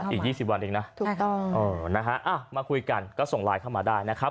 อีก๒๐วันเองนะถูกต้องนะฮะมาคุยกันก็ส่งไลน์เข้ามาได้นะครับ